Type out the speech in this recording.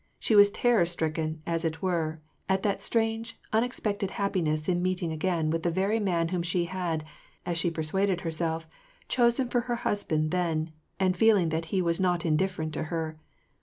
She was terror stricken, as it were, at that strange, unexpected happiness in meeting again with the very man whom she had — as she persuaded herself — chosen for her husband then, and feeling that he was not indifferent to her.